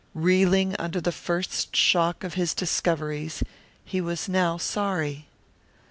Reeling under the first shock of his discoveries he was now sorry.